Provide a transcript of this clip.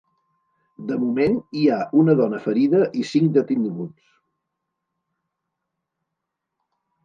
De moment, hi ha una dona ferida i cinc detinguts.